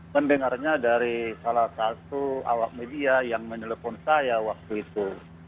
mendengarnya dari salah satu awak media yang menelpon saya waktu itu